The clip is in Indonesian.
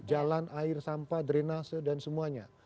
jalan air sampah drenase dan semuanya